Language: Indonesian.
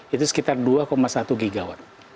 itu sekitar dua satu gigawatt